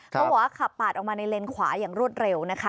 บอกว่าขับปาดออกมาในเลนขวาอย่างรวดเร็วนะคะ